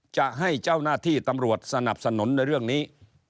จะให้เจ้าหน้าที่ตำรวจสนับสนุนในเรื่องนี้